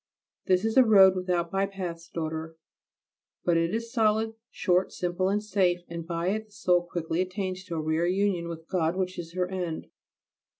This is a road without bypaths, daughter, but it is solid, short, simple, and safe, and by it the soul quickly attains to a rare union with God which is her end.